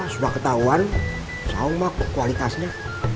sudah ketahuan sama kualitasnya